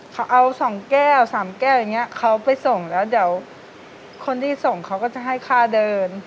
เขาเอาสองแก้วสามแก้วอย่างเงี้ยเขาไปส่งแล้วเดี๋ยวคนที่ส่งเขาก็จะให้ค่าเดิน